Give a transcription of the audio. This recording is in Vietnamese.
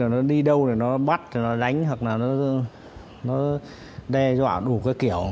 nó đi đâu thì nó bắt nó đánh hoặc là nó đe dọa đủ cái kiểu